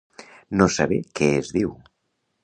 No saber què es diu.